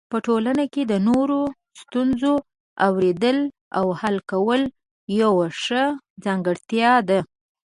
په ټولنه کې د نورو ستونزو اورېدل او حل کول یو ښه ځانګړتیا ده.